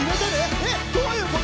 えっ、どういうこと？